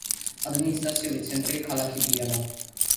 ადმინისტრაციული ცენტრია ქალაქი ბიალა.